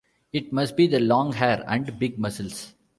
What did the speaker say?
It must be the long hair and big muscles.